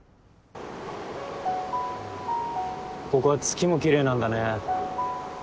ここは月も奇麗なんだね。